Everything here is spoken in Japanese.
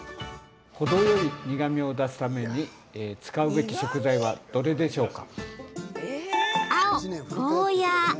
程よい苦みを出すために使うべき食材はどれでしょうか？